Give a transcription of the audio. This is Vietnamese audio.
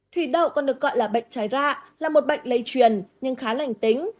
thủy đậu còn được gọi là bệnh trái ra là một bệnh lây truyền nhưng khá là hành tính